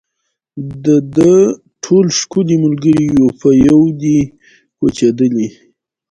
د ده ټول ښکلي ملګري یو په یو دي کوچېدلي